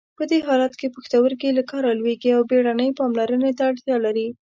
په دې حالت کې پښتورګي له کاره لویږي او بیړنۍ پاملرنې ته اړتیا لري.